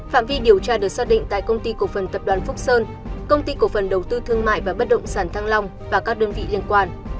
phạm vi điều tra được xác định tại công ty cổ phần tập đoàn phúc sơn công ty cổ phần đầu tư thương mại và bất động sản thăng long và các đơn vị liên quan